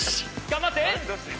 頑張って！